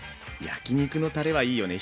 焼き肉のたれはいいよね。